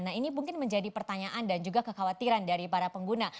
nah ini mungkin menjadi pertanyaan dan juga kekhawatiran dari para pengguna